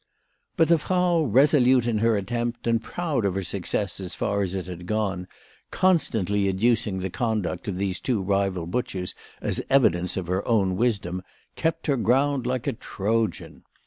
But the Frau, resolute in her attempt, and proud of her success as far as it had gone, constantly adducing the conduct of these two rival butchers as evidence of her own wisdom, kept her ground like a Trojan.